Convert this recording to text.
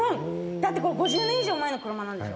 だってこれ５０年以上前の車なんでしょ。